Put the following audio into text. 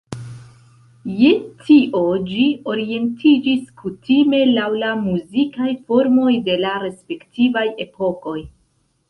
Je tio ĝi orientiĝis kutime laŭ la muzikaj formoj de la respektivaj epokoj.